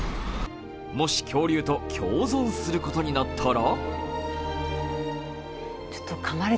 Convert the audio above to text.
もし恐竜と共存することになったら？